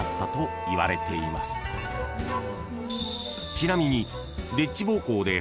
［ちなみに］